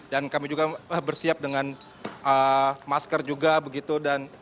dan kami juga bersiap dengan masker juga begitu